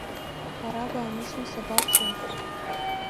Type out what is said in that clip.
Бара бааныжьны сабацои?!